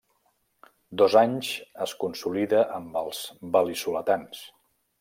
Dos anys es consolida amb els val·lisoletans.